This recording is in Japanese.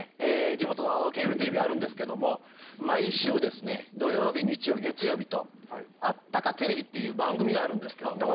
地元のケーブルテレビあるんですけども毎週ですね土曜日日曜日月曜日と『あっ！たかテレビ』っていう番組があるんですけども。